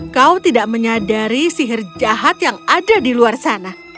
kau tidak menyadari sihir jahat yang ada di luar sana